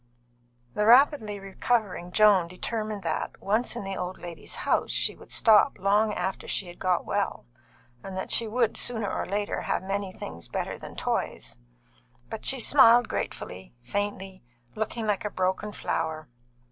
The rapidly recovering Joan determined that, once in the old lady's house, she would stop long after she had got well, and that she would, sooner or later, have many things better than toys. But she smiled gratefully, faintly, looking like a broken flower.